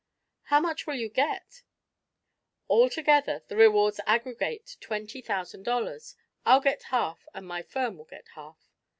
"How much will you get?" "All together, the rewards aggregate twenty thousand dollars. I'll get half, and my firm will get half."